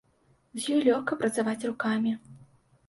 З ёй лёгка працаваць рукамі.